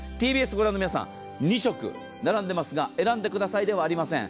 ＴＢＳをご覧の皆さん２色並んでいますが、選んでくださいではないんです。